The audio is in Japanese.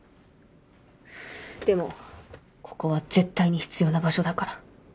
でもここは絶対に必要な場所だから。